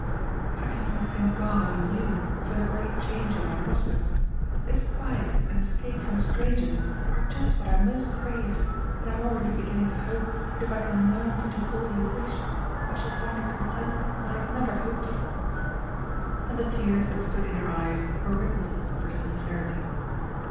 "I can only thank God and you for the great change in my prospects. This quiet and escape from strangers are just what I most craved, and I am already beginning to hope that if I can learn to do all you wish, I shall find a content that I never hoped for," and the tears that stood in her eyes were witnesses of her sincerity.